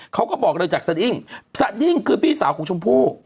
เขาบอกเลยจากสดิ้งสดิ้งคือพี่สาวของชมพู่